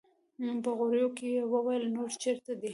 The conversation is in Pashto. په غريو کې يې وويل: نور چېرته دي؟